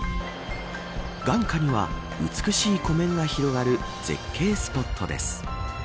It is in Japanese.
眼下には、美しい湖面から広がる絶景スポットです。